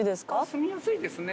住みやすいですね。